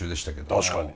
確かに。